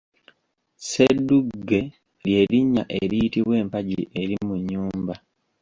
Sseddugge ly’erinnya eriyitibwa empagi eri mu nnyumba .